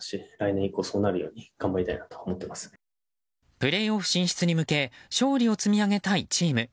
プレーオフ進出に向け勝利を積み上げたいチーム。